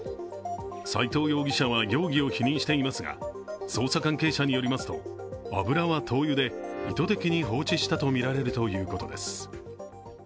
斉藤容疑者は容疑を否認していますが捜査関係者によりますと油は灯油で、意図的に放置したとみられるということです。